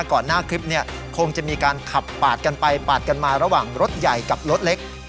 ก่อนหน้าคลิปเนี่ยคงจะมีการขับปาดกันไปปาดกันมาระหว่างรถใหญ่กับรถเล็ก